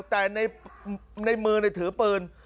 แต่ในมือถือปืน